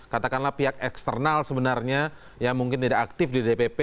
katakanlah pihak eksternal sebenarnya yang mungkin tidak aktif di dpp